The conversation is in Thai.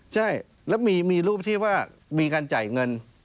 ใช่แล้วมีรูปที่ว่ามีการจ่ายเงิน